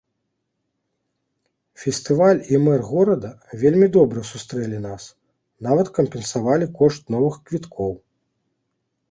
Фестываль і мэр горада вельмі добра сустрэлі нас, нават кампенсавалі кошт новых квіткоў.